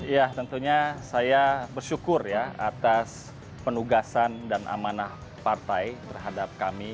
ya tentunya saya bersyukur ya atas penugasan dan amanah partai terhadap kami